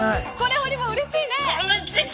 ほりもん、うれしいね。